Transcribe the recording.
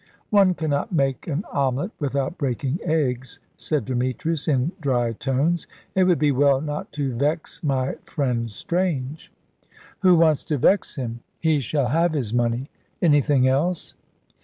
"One cannot make an omelette without breaking eggs," said Demetrius, in dry tones; "it would be well not to vex my friend Strange." "Who wants to vex him? He shall have his money. Anything else?"